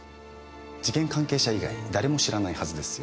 事件関係者以外誰も知らないはずですよ。